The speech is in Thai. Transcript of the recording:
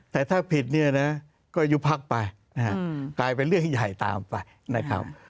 แต่ถ้าผิดก็อยู่พักไปกลายเป็นเรื่องใหญ่ตามไป